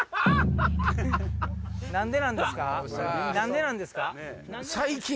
何でなんですか？